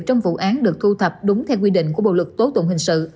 trong vụ án được thu thập đúng theo quy định của bộ luật tố tụng hình sự